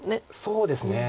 そうですね。